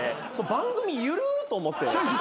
番組緩っ！と思って。